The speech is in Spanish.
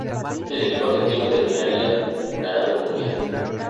El equipo argentino terminaría ganando el Mundial.